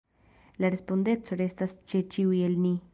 La respondeco restas ĉe ĉiuj el ni.